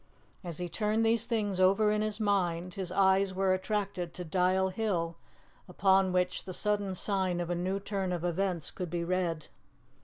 As he turned these things over in his mind his eyes were attracted to Dial Hill, upon which the sudden sign of a new turn of events could be read.